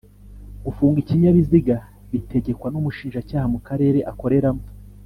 Gufunga ikinyabiziga bitegekwa n'umushinjacyaha mu karere akoreramo